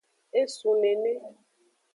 Esun nene.